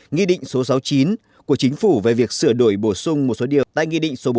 nghị định số sáu mươi chín của chính phủ về việc sửa đổi bổ sung một số điều tại nghị định số bốn mươi bốn